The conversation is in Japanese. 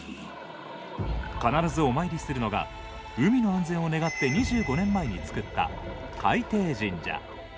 必ずお参りするのが海の安全を願って２５年前に作った、海底神社。